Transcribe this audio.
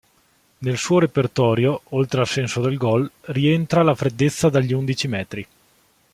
Nel suo repertorio oltre al senso del goal, rientra la freddezza dagli undici metri.